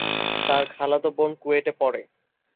তার খালাতো বোন কুয়েটে পড়ে।